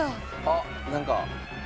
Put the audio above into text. あっ何か。